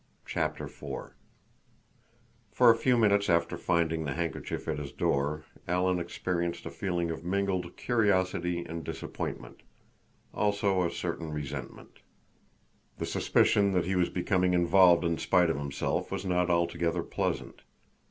CHAPTER IV For a few minutes after finding the handkerchief at his door, Alan experienced a feeling of mingled curiosity and disappointment—also a certain resentment. The suspicion that he was becoming involved in spite of himself was not altogether pleasant.